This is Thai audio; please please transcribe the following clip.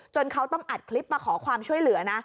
เขาต้องอัดคลิปมาขอความช่วยเหลือนะ